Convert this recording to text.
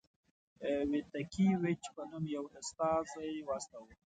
ویتکي ویچ په نوم یو استازی واستاوه.